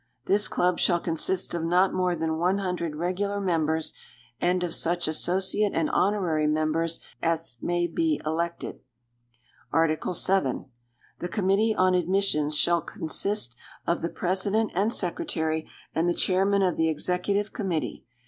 This Club shall consist of not more than one hundred regular members, and of such associate and honorary members as may be elected. Article VII. The Committee on Admissions shall consist of the President and Secretary and the Chairman of the Executive Committee.